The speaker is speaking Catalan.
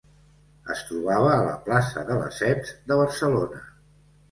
Es trobava a la plaça de Lesseps de Barcelona.